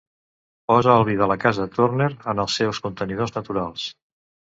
Posa el vi de la casa Turner en els seus contenidors naturals.